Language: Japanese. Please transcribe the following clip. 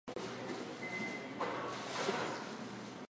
ｋｓｓｋｓｋｋｓｋｓｋｓ